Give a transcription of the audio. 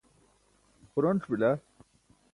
xuronc̣ bila.